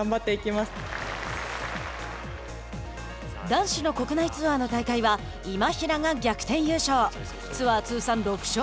男子の国内ツアーの大会は今平が逆転優勝。